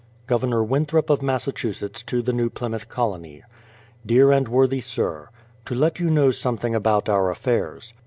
Governor Winthrop of Massachusetts to the New Plymouth Colony: Dear and worthy Sir, To let you know something about our affairs.